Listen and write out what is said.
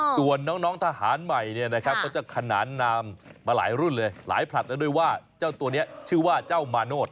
ส่วนน้องทหารใหม่ก็จะขนานนามมาหลายรุ่นหลายผลัดด้วยว่าเจ้าตัวนี้ชื่อว่าเจ้ามาโนธ